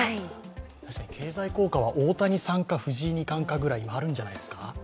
確かに経済効果は大谷さんか藤井二冠ぐらいあるんじゃないですか。